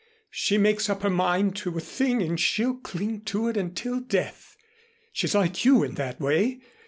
She makes up her mind to a thing and she'll cling to it until death. She's like you in that way.